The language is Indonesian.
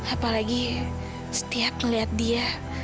apalagi setiap melihat dia